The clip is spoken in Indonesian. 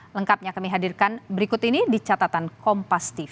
lengkapnya kami hadirkan berikut ini di catatan kompastif